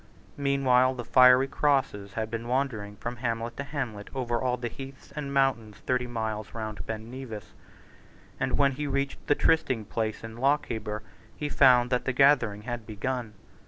Meanwhile the fiery crosses had been wandering from hamlet to hamlet over all the heaths and mountains thirty miles round Ben Nevis; and when he reached the trysting place in Lochaber he found that the gathering had begun.